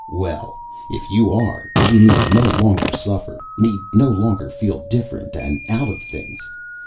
Well, if you are, you need no longer suffer, need no longer feel different and out of things.